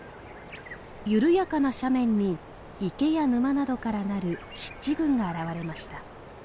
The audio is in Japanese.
緩やかな斜面に池や沼などからなる湿地群が現れました。